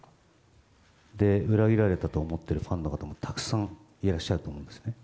で、裏切られたと思ってるファンの方もたくさんいらっしゃると思うんですね。